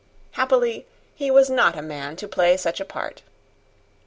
Happily he was not a man to play such a part.